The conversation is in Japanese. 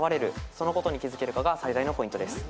そのことに気づけるかが最大のポイントです。